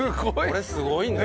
これすごいね。